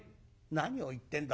「何を言ってんだ。